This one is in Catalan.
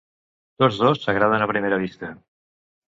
Tots dos s'agraden a primera vista.